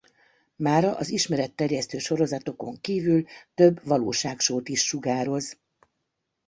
Mára az ismeretterjesztő sorozatokon kívül több valóságshowt is sugároz.